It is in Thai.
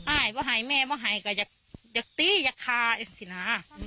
อ้ายพอหายแม่พอหายก็อยากตีอยากคาอยากสินะ